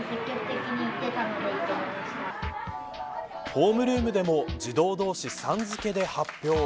ホームルームでも児童どうしさん付けで発表。